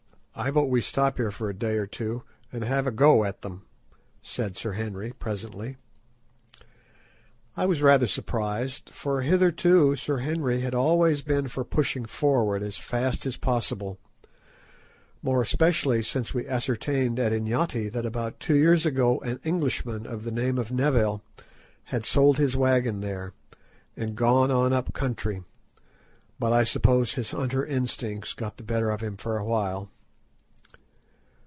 I vote we stop here a day or two, and have a go at them," said Sir Henry, presently. I was rather surprised, for hitherto Sir Henry had always been for pushing forward as fast as possible, more especially since we ascertained at Inyati that about two years ago an Englishman of the name of Neville had sold his wagon there, and gone on up country. But I suppose his hunter instincts got the better of him for a while.